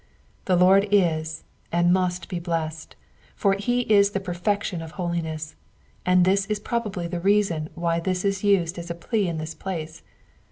The Lord IS and must be blessed, for he is the perfection of holiness ; and this is pro bably the reason why this is used as a plea in this place.